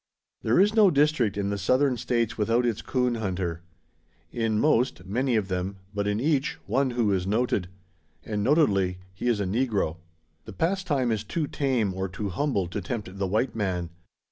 There is no district in the Southern States without its coon hunter. In most, many of them; but in each, one who is noted. And, notedly, he is a negro. The pastime is too tame, or too humble, to tempt the white man.